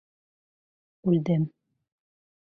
Үлдем!..